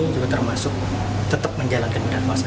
juga termasuk tetap menjalankan ibadah puasa